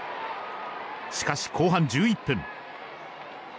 しかし後半１１分。